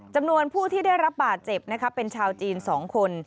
จำนวนผู้ให้ได้รับบาดเจ็บนะครับเป็นชาวจีน๒คน